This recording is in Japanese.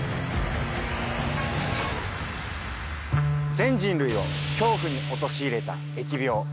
全人類を恐怖に陥れた疫病。